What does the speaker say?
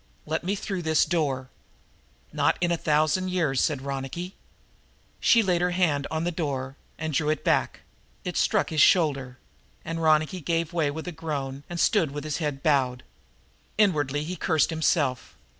Let me through this door!" "Not in a thousand years," said Ronicky. She laid her hand on the door and drew it back it struck his shoulder and Ronicky gave way with a groan and stood with his head bowed. Inwardly he cursed himself.